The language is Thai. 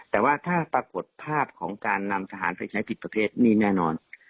แต่ว่าถ้าปรากฏภาพของการนำทหารไปใช้กิจประเทศนี่แน่นอน